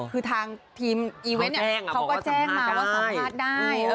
คือทางทีมอีเวนต์เขาก็แจ้งมาว่าสัมภาษณ์ได้